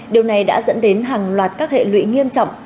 điều này đã dẫn đến hàng loạt các hệ lụy nghiêm trọng